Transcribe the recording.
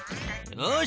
よし。